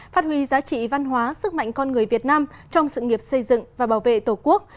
phát huy giá trị văn hóa sức mạnh con người việt nam trong sự nghiệp xây dựng và bảo vệ tổ quốc